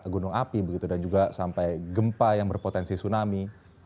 gunung api begitu dan juga sampai gempa yang berpotensi tsunami